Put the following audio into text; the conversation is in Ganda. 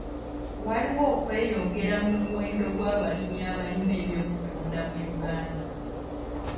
Waliwo okweyongera mu muwendo gw'abalimi abalima eby'okutunda mu Uganda.